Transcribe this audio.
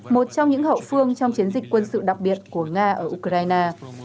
một trong những hậu phương trong chiến dịch quân sự đặc biệt của nga ở ukraine